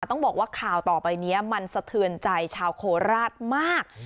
ต้องบอกว่าข่าวต่อไปนี้มันสะเทือนใจชาวโคราชมาก